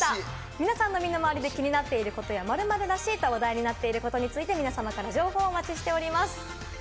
皆さんの身の回りで気になっていること、「○○らしい」と話題になっていることなど、皆さまからの情報をお待ちしています。